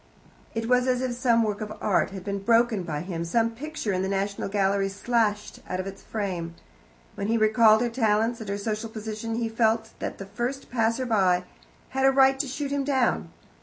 It was as if some work of art had been broken by him, some picture in the National Gallery slashed out of its frame. When he recalled her talents and her social position, he felt that the first passerby had a right to shoot him down.